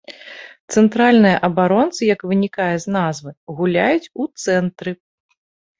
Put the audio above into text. Цэнтральныя абаронцы, як вынікае з назвы, гуляюць у цэнтры.